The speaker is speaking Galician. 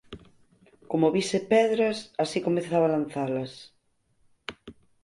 Como vise pedras, así comezaba a lanzalas.